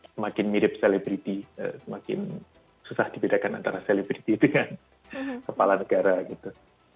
semakin mirip selebriti semakin susah dibedakan antara selebriti dengan kepala negara gitu